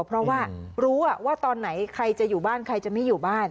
เพราะว่ารู้ว่าตอนไหนใครจะอยู่บ้านใครจะไม่อยู่บ้าน